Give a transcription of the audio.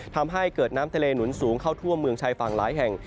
ทำให้เกิดน้ำทะเลหนุนสูงเข้าทั่วเมืองชายฝั่งหลายแห่ง